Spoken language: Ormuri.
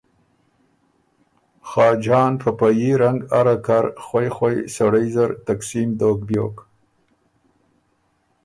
خاجان په په يي رنګ اره کر خوئ خوئ سړئ زر تقسیم دوک بیوک